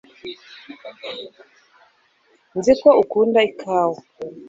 nzi ko ukunda ikawa